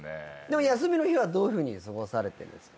休みの日はどういうふうに過ごされてるんですか？